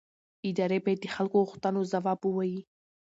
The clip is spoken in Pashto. ادارې باید د خلکو غوښتنو ځواب ووایي